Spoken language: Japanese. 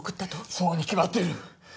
そうに決まってる！